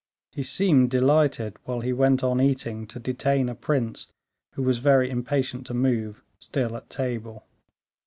He seemed delighted, while he went on eating, to detain a prince, who was very impatient to move, still at table.